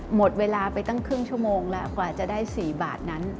หมดเวลาไปตั้งครึ่งชั่วโมงแล้วกว่าจะได้๔บาทนั้น